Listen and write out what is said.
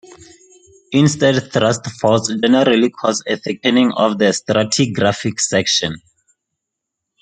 Instead thrust faults generally cause a thickening of the stratigraphic section.